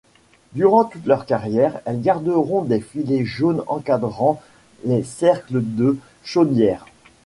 Durant toute leur carrière, elles garderont des filets jaunes encadrant les cercles de chaudière.